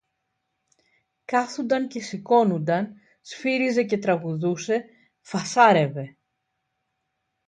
κάθουνταν και σηκώνουνταν, σφύριζε και τραγουδούσε, φασάρευε